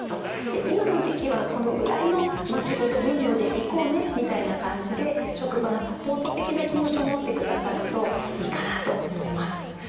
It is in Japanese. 今の時期はこのぐらいの仕事分量でいこうねみたいな感じで職場がサポート的な気持ちを持ってくださるといいかなと思います。